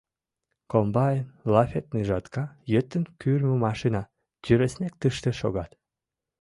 Комбайн, лафетный жатка, йытын кӱрмӧ машина тӱрыснек тыште шогат.